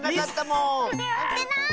のってない！